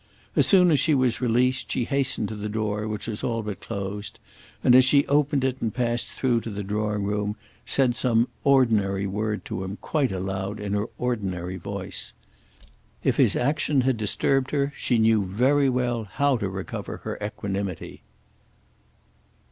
As soon as she was released she hastened to the door which was all but closed, and as she opened it and passed through to the drawing room said some ordinary word to him quite aloud in her ordinary voice. If his action had disturbed her she knew very well how to recover her equanimity.